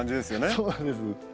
そうなんです。